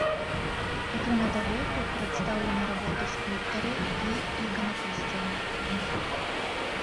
Акрамя таго, тут прадстаўлены работы скульптараў і іканапісцаў.